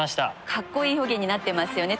かっこいい表現になってますよね。